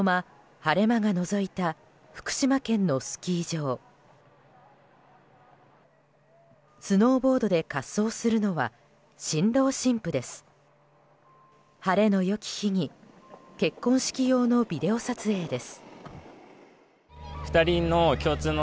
晴れの良き日に結婚式用のビデオ撮影です。